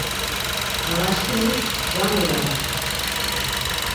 Nanaşkimik mja nuyams.